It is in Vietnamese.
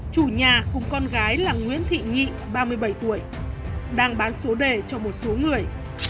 chủ nhà cùng con gái là nguyễn thị nghị ba mươi bảy tuổi đang bán số đề cho một số người